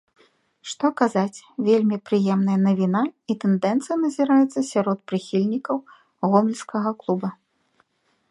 Што казаць, вельмі прыемная навіна і тэндэнцыя назіраецца сярод прыхільнікаў гомельскага клуба.